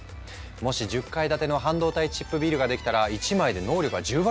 もし１０階建ての半導体チップビルができたら１枚で能力が１０倍だよ。